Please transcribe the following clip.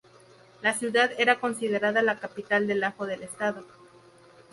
La ciudad era considerada la capital del ajo del estado.